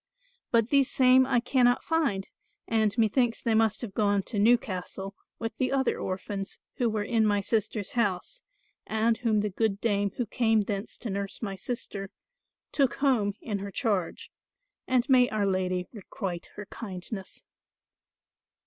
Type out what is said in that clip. But these same I cannot find, and methinks they must have gone to Newcastle with the other orphans who were in my sister's house, and whom the good dame who came thence to nurse my sister, took home in her charge, and may our Lady requite her kindness.